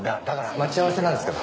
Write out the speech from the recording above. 待ち合わせなんですけど。